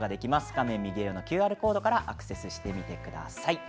画面右上のＱＲコードからアクセスしてみてください。